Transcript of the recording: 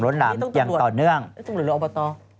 ต้องตรวจหรืออบต